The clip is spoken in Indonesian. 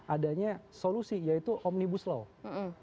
adanya solusi yaitu omnibus law